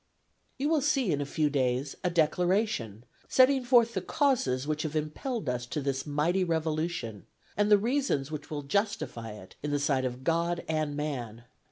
You will see, in a few days, a Declaration setting forth the causes which have impelled us to this mighty revolution, and the reasons which will justify it in the sight of God and man.